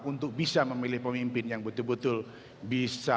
untuk bisa memilih pemimpin yang betul betul bisa